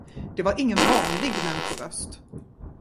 Det var ingen vanlig människoröst.